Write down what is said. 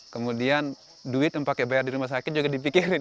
kemudian duit yang pakai bayar di rumah sakit juga dipikirin